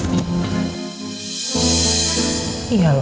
mau pindah kali pa